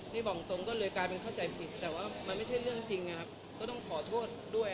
นี่บอกตรงก็เลยกลายเป็นเข้าใจผิดแต่ว่ามันไม่ใช่เรื่องจริงนะครับก็ต้องขอโทษด้วย